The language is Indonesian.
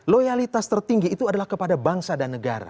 loyalitas tertinggi itu adalah kepada bangsa dan negara